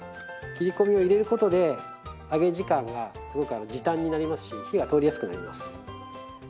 切り込みを入れることで揚げ時間がすごく時短になりますし火が通りやすくなります。